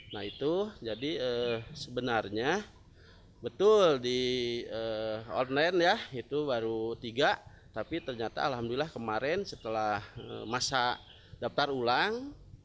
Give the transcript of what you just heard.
nah itu jadi sebenarnya betul di online ya itu baru tiga tapi ternyata alhamdulillah kemarin setelah masa daftar ulang